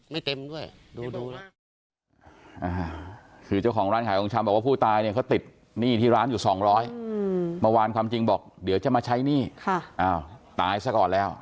เมื่อวานความจริงบอกเดี๋ยวจะมาใช้หนี้ตายซะก่อนแล้ว